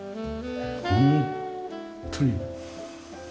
本当に。